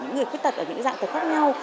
người khuyết tật ở những dạng tật khác nhau